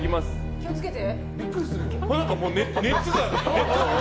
気を付けて。